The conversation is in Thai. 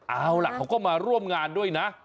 เอาล่ะเขาก็มาร่วมงานด้วยนะ